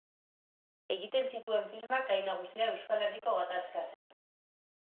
Egiten zituen filmak gai nagusia Euskal Herriko gatazka zen.